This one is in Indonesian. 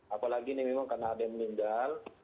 apalagi ini memang karena ada yang meninggal